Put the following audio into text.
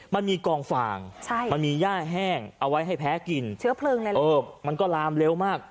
มันอยู่ในกองฝ่ามันมีย่ายแห้งเอาไว้ให้แพ้กินมันก็ลามเร็วมัก